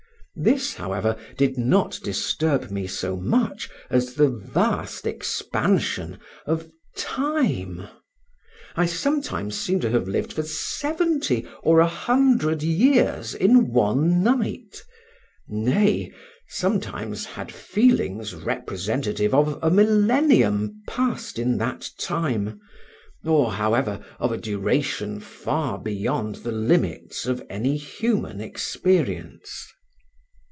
This, however, did not disturb me so much as the vast expansion of time; I sometimes seemed to have lived for 70 or 100 years in one night—nay, sometimes had feelings representative of a millennium passed in that time, or, however, of a duration far beyond the limits of any human experience.